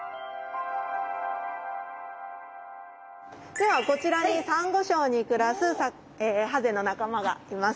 ではこちらにサンゴ礁に暮らすハゼの仲間がいます。